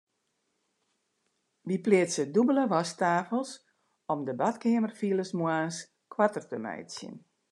Wy pleatse dûbelde wasktafels om de badkeamerfiles moarns koarter te meitsjen.